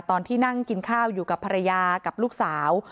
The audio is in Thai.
ตอนที่นั่งกินข้าวอยู่กับภรรยากับลูกสาว